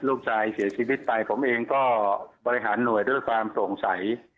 ลูกใจเสียชีวิตไปผมเองก็บริหารหน่วยด้วยความสงสัย